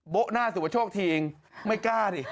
โบ๊ะหน้าสุขโชคทีเองไม่กล้าดิ